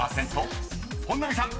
［本並さん］